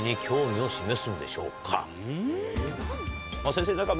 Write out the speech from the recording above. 先生。